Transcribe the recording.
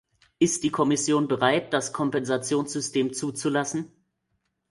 Ist die Kommission bereit, das Kompensationssystem zuzulassen?